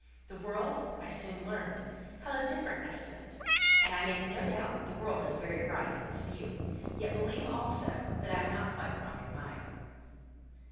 The world, I soon learned, held a different estimate: and I make no doubt, the world is very right in its view, yet believe also that I am not quite wrong in mine.